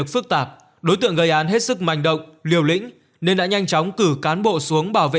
phức tạp đối tượng gây án hết sức manh động liều lĩnh nên đã nhanh chóng cử cán bộ xuống bảo vệ